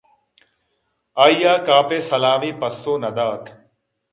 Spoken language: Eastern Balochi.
آئی ءَ کاف ءِ سلامے پسو نہ دات